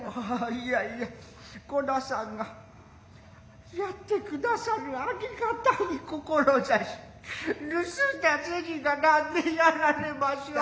イヤイヤこなさんがやって下さるありがたい志盗んだ銭が何んでやられましょう。